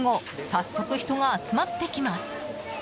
早速、人が集まってきます。